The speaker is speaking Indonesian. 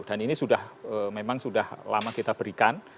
dan ini memang sudah lama kita berikan